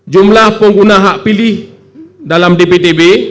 jumlah pengguna hak pilih dalam dptb